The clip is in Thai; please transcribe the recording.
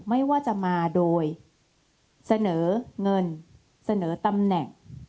ไม่ว่าจะมาโดยเสนอเงินเสนอตำแหน่ง